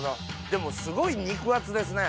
でもすごい肉厚ですね。